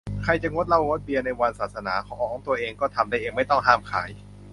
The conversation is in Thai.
ใครจะงดเหล้างดเบียร์ในวันศาสนาของตัวเองก็ทำได้เอง ไม่ต้องห้ามขาย